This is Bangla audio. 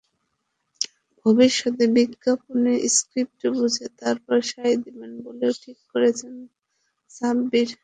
ভবিষ্যতে বিজ্ঞাপনে স্ক্রিপ্ট বুঝে তারপর সায় দেবেন বলেও ঠিক করেছেন সাব্বির।